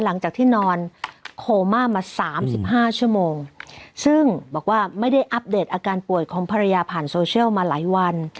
หลังจากที่นอนโคม่ามาสามสิบห้าชั่วโมงซึ่งบอกว่าไม่ได้อัปเดตอาการป่วยของภรรยาผ่านโซเชียลมาหลายวัน